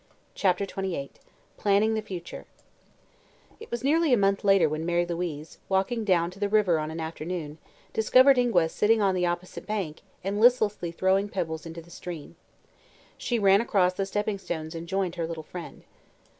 CHAPTER XXVIII PLANNING THE FUTURE It was nearly a month later when Mary Louise, walking down to the river on an afternoon, discovered Ingua sitting on the opposite bank and listlessly throwing pebbles into the stream. She ran across the stepping stones and joined her little friend.